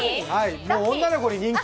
女の子に人気。